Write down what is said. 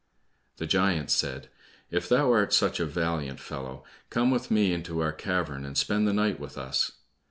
The giant said, "If thou art such a valiant fellow, come with me into our cavern and spend the night with us."